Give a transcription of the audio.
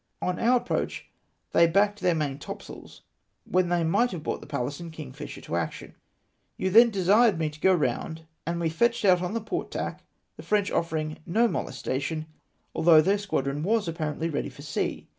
On our ap proach they backed their maintopsails, when they might have brought the Pallas and Kingfisher to action. You then desired me to go round, and we fetched out on the port tack, the French ofFeringno molestation, although their squadron was apparently ready for sea.